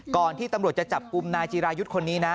ที่ตำรวจจะจับกลุ่มนายจีรายุทธ์คนนี้นะ